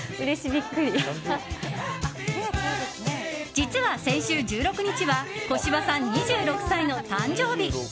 実は、先週１６日は小芝さん、２６歳の誕生日。